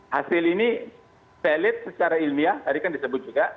hasil ini valid secara ilmiah tadi kan disebut juga